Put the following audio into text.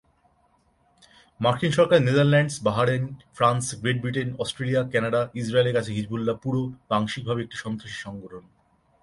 মার্কিন সরকার, Netherlands, Bahrain, France, Great Britain, Australia, Canada, ইসরায়েলের কাছে হিজবুল্লাহ পুরো বা আংশিকভাবে একটি সন্ত্রাসী সংগঠন।